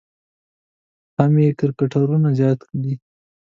هم یې کرکټرونه زیات دي.